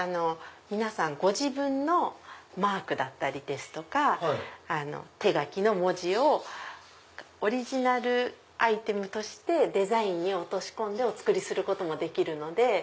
ご自分のマークだったり手書きの文字をオリジナルアイテムとしてデザインに落とし込んでお作りすることもできるので。